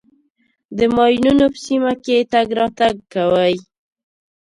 د ماینونو په سیمه کې تګ راتګ کوئ.